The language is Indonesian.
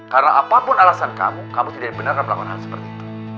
karena apapun alasan kamu kamu tidak boleh melakukan hal seperti itu